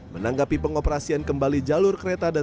menanggapi pengoperasian kembali jalur kereta